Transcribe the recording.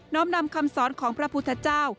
้อมนำคำสอนของพระพุทธเจ้า